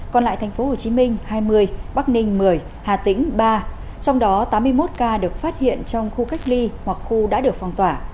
còn lại tp hcm hai mươi bắc ninh một mươi hà tĩnh ba trong đó tám mươi một ca được phát hiện trong khu cách ly hoặc khu đã được phong tỏa